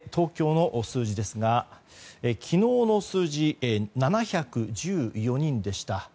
改めて東京の数字ですが昨日の数字は７１４人でした。